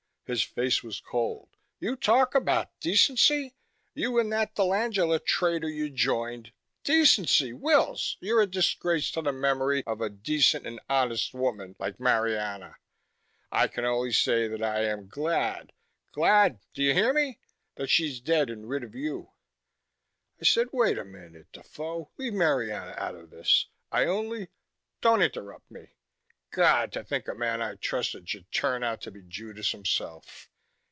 His face was cold. "You talk about decency! You and that dell'Angela traitor you joined. Decency! Wills, you're a disgrace to the memory of a decent and honest woman like Marianna. I can only say that I am glad glad, do you hear me? that she's dead and rid of you." I said, "Wait a minute, Defoe! Leave Marianna out of this. I only " "Don't interrupt me! God, to think a man I trusted should turn out to be Judas himself!